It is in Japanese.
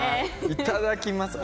いただきます！